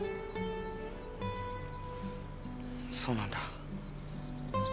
そうなんだ。